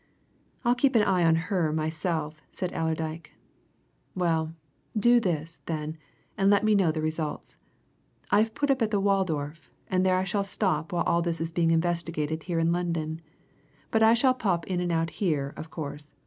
"I'll keep an eye on her myself," said Allerdyke. "Well, do this, then, and let me know the results. I've put up at the Waldorf, and there I shall stop while all this is being investigated here in London, but I shall pop in and out here, of course.